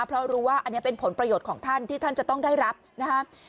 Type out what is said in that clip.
เพราะรู้ว่าอันนี้เป็นผลประโยชน์ของท่านที่ท่านจะต้องได้รับนะครับ